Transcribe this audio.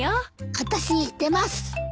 あたし出ます。